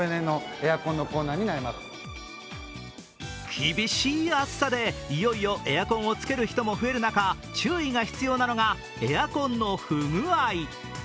厳しい暑さで、いよいよエアコンをつける人も増える中、注意が必要なのがエアコンの不具合。